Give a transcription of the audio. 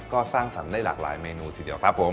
ก็สร้างสรรค์ได้หลากหลายเมนูทีเดียวครับผม